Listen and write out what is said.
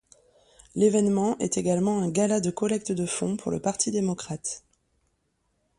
L'événement est également un gala de collecte de fonds pour le Parti Démocrate.